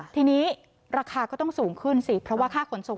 ทีนี้ราคาก็ต้องสูงขึ้นสิเพราะว่าค่าขนส่ง